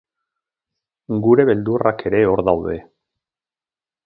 Gure beldurrak ere hor daude.